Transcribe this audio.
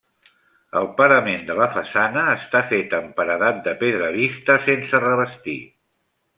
El parament de la façana està fet amb paredat de pedra vista sense revestir.